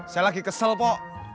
saya lagi kesel po